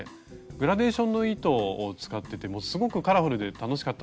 グラデーションの糸を使っててもうすごくカラフルで楽しかったんですけど。